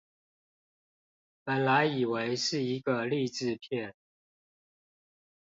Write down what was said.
本來以為是一個勵志片